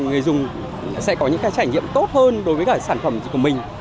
người dùng sẽ có những cái trải nghiệm tốt hơn đối với cả sản phẩm của mình